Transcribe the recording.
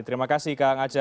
terima kasih kak angaca